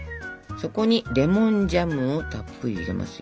そこにレモンジャムをたっぷり入れますよ。